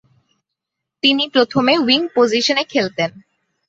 তিনি প্রথমে উইং পজিশনে খেলতেন।